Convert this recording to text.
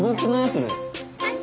それ。